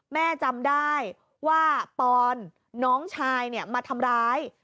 แม่จำได้ว่าปอนน้องชายมาทำร้าย